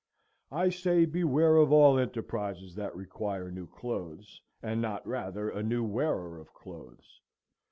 I say, beware of all enterprises that require new clothes, and not rather a new wearer of clothes.